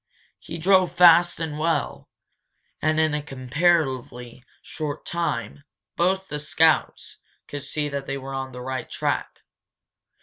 He drove fast and well, and in a comparatively short time both the scouts could see that they were on the right track.